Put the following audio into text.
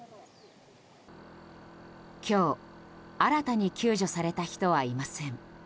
今日、新たに救助された人はいません。